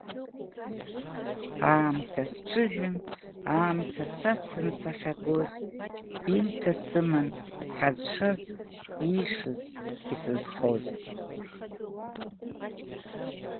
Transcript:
Аамҭа сҽыжәын, аамҭа сацын сахьагоз, имҭа сыман, Ҳазшаз иишоз исызхоз.